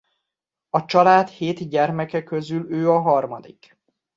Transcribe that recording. A család hét gyermeke közül ő a harmadik.